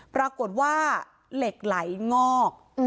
ปรากฏว่าเหล็กไหลงอก